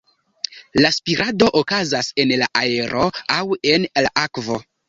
La spirado okazas en la aero aŭ en la akvo.